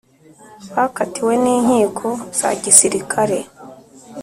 Bakatiwe n inkiko za gisirikare